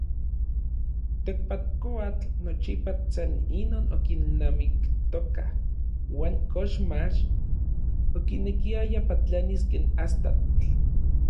Tekpatkoatl nochipa san inon okilnamiktoka uan koxmach okinekiaya patlanis ken astatl.